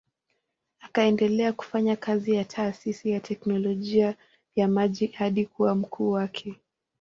Akaendelea kufanya kazi ya taasisi ya teknolojia ya maji hadi kuwa mkuu wake.